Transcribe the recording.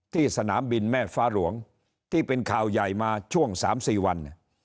สนามบินแม่ฟ้าหลวงที่เป็นข่าวใหญ่มาช่วง๓๔วัน